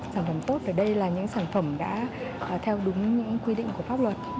sản phẩm tốt và đây là những sản phẩm đã theo đúng những quy định của pháp luật